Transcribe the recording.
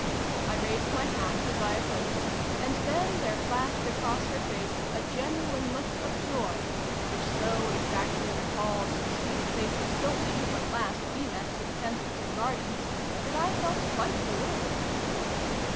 I raised my hat as I approached, and then there flashed across her face a genuine look of joy, which so exactly recalled the sweet face of Sylvie, when last we met in Kensington Gardens, that I felt quite bewildered.